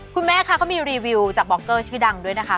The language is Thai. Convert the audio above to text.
คุณแม่คะเขามีรีวิวจากบ็อกเกอร์ชื่อดังด้วยนะคะ